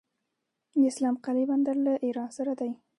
د اسلام قلعه بندر له ایران سره دی